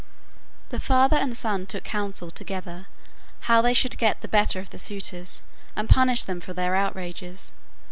The father and son took counsel together how they should get the better of the suitors and punish them for their outrages.